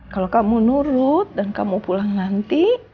kalau kamu nurut dan kamu pulang nanti